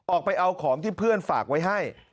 ออกไปเอาของที่เพื่อนฝากไว้ให้